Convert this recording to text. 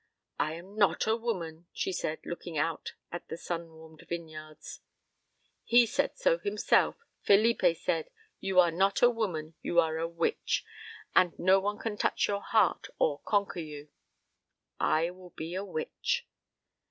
"I am not a woman," she said, looking out at the sun warmed vineyards. "He said so himself. Felipe said, 'You are not a woman; you are a witch, and no one can touch your heart or conquer you.' I will be a witch."